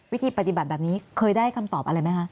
วิธีปฏิบัติแบบนี้เคยได้คำตอบอะไรไหมคะ